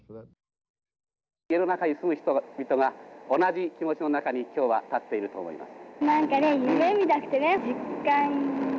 地球の中に住む人々が同じ気持ちの中に今日は立っていると思います。